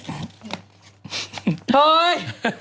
เฮ้ย